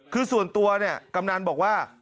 คือส่วนตัวเนี่ยกำนันบอกว่า